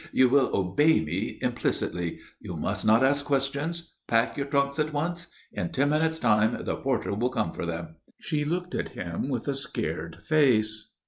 You will obey me implicitly. You must not ask questions. Pack your trunks at once. In ten minutes' time the porter will come for them." She looked at him with a scared face.